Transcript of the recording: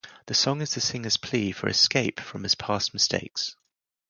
The song is the singer's plea for "escape" from his past mistakes.